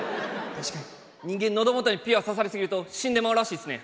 確かに人間喉元にピュア刺さり過ぎると死んでまうらしいですね。